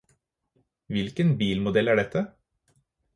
Hvilken bilmodell er dette?